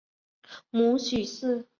母许氏。